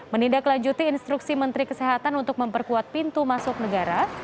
menindaklanjuti instruksi menteri kesehatan untuk memperkuat pintu masuk negara